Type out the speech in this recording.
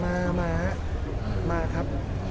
มาครับมามาครับ